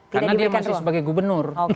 karena dia masih sebagai gubernur